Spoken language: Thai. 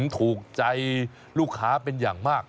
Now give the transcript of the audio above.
ถูกใจลูกค้าเป็นอย่างมาก